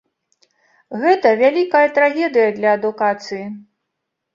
Гэта вялікая трагедыя для адукацыі.